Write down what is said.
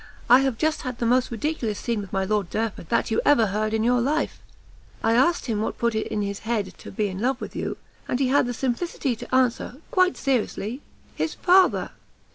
I have just had the most ridiculous scene with my Lord Derford that you ever heard in your life! I asked him what put it in his head to be in love with you, and he had the simplicity to answer, quite seriously, his father!"